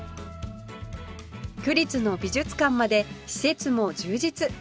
区立の美術館まで施設も充実